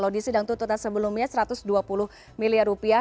di sidang tuntutan sebelumnya satu ratus dua puluh miliar rupiah